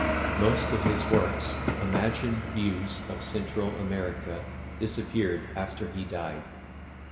Most of his works, imagined views of Central America, disappeared after he died.